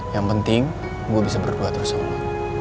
yang penting gue bisa berdua terus sama lo